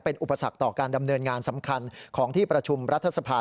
เป็นอุปสรรคต่อการดำเนินงานสำคัญของที่ประชุมรัฐสภา